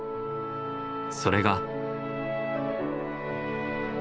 それが。